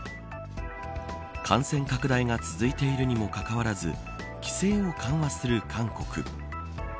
感染拡大が続いているにもかかわらず規制を緩和する韓国。